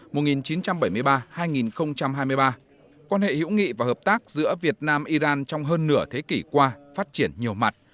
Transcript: mùa một nghìn chín trăm bảy mươi ba hai nghìn hai mươi ba quan hệ hữu nghị và hợp tác giữa việt nam iran trong hơn nửa thế kỷ qua phát triển nhiều mặt